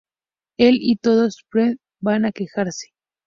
Él y todo Springfield van a quejarse.